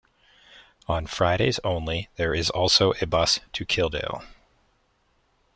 On Fridays only there is also a bus to Kildale.